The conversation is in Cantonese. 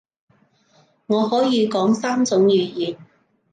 我可以講三種語言